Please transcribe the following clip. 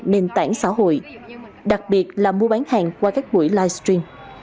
nền tảng xã hội đặc biệt là mua bán hàng qua các buổi livestream